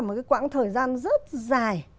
một cái quãng thời gian rất dài